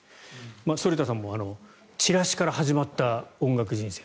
反田さんもチラシから始まった音楽人生。